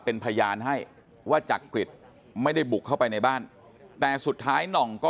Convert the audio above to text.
เป็นพยานให้ว่าจักริตไม่ได้บุกเข้าไปในบ้านแต่สุดท้ายหน่องก็